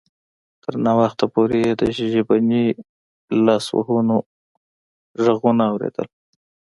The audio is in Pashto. تر ناوخته پورې یې د ژبني لاسوهنو غږونه اوریدل